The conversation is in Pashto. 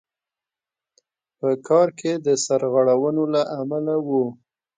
په کار کې د سرغړونو له امله وو.